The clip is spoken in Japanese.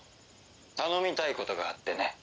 「頼みたいことがあってね」